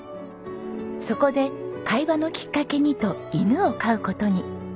そこで会話のきっかけにと犬を飼う事に。